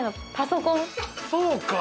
そうか。